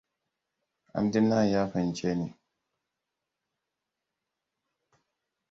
Abdullahi ya fahimce ni.